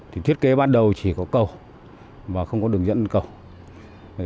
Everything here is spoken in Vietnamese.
thì thiết kế ban đầu chỉ có cầu và không có đường dẫn cầu